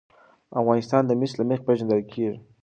افغانستان د مس له مخې پېژندل کېږي.